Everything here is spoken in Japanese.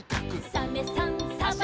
「サメさんサバさん」